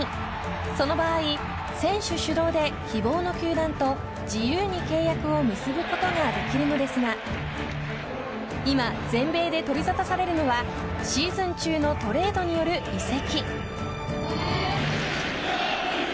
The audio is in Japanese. その場合、選手主導で希望の球団と自由に契約を結ぶことができるのですが今全米で取りざたされているのはシーズン中のトレードによる移籍。